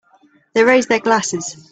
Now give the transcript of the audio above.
They raise their glasses.